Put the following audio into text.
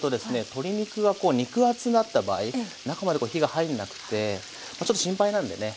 鶏肉がこう肉厚だった場合中までこう火が入んなくてちょっと心配なんでね